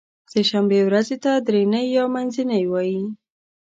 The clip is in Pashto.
سې شنبې ورځې ته درینۍ یا منځنۍ وایی